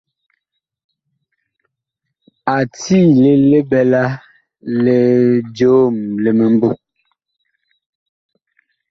A tiile li ɓɛla li joom li mimbu.